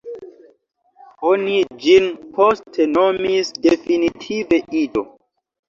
Oni ĝin poste nomis definitive "Ido".